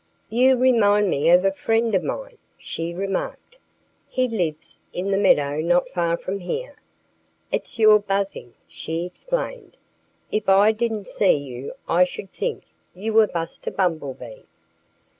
"You remind me of a friend of mine," she remarked. "He lives in the meadow not far from here. It's your buzzing," she explained. "If I didn't see you I should think you were Buster Bumblebee."